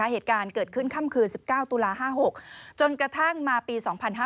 เหตุการณ์เกิดขึ้นค่ำคืน๑๙ตุลา๕๖จนกระทั่งมาปี๒๕๕๙